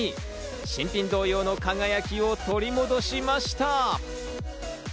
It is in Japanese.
新品同様の輝きを取り戻しました。